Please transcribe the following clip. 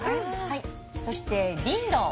そしてリンドウ。